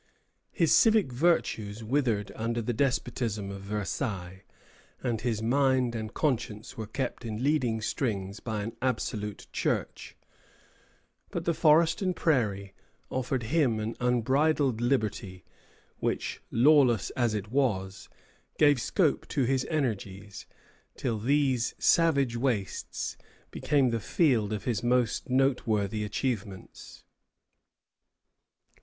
His civic virtues withered under the despotism of Versailles, and his mind and conscience were kept in leading strings by an absolute Church; but the forest and the prairie offered him an unbridled liberty, which, lawless as it was, gave scope to his energies, till these savage wastes became the field of his most noteworthy achievements.